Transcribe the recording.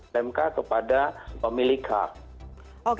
lmk kepada pemilik hak